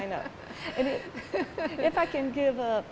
kalau saya bisa memberikan peningkatan